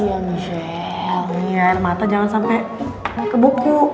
el ini air mata jangan sampe ke buku